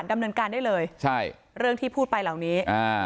ดำเนินการได้เลยใช่เรื่องที่พูดไปเหล่านี้อ่า